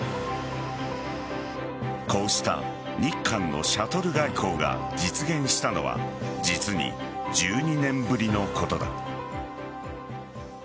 こうした日韓のシャトル外交が実現したのは実に１２年ぶりのことだ。